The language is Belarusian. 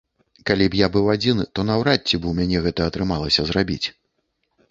Калі б я быў адзін, то наўрад ці б у мяне гэта атрымалася зрабіць.